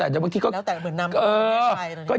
เอาอันนี้ก่อน